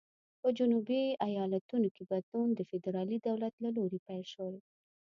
په جنوبي ایالتونو کې بدلون د فدرالي دولت له لوري پیل شول.